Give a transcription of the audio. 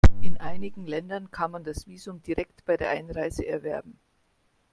In einigen Ländern kann man das Visum direkt bei der Einreise erwerben.